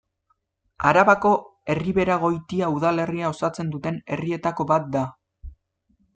Arabako Erriberagoitia udalerria osatzen duten herrietako bat da.